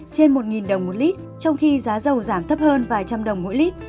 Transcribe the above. trên một đồng một lít trong khi giá dầu giảm thấp hơn vài trăm đồng mỗi lít